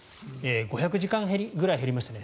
５００時間ぐらい減りましたね